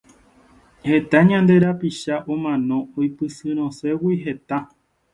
Heta ñande rapicha omano oipysyrõségui hetã.